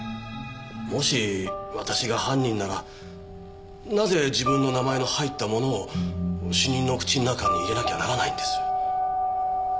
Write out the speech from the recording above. もし私が犯人ならなぜ自分の名前の入ったものを死人の口の中に入れなきゃならないんです？